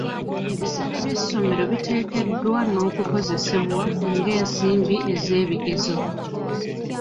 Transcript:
Ebisale by'essomero biteekeddwa n'okukozesebwa ng'ensimbi ez'ebigezo.